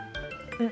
うん！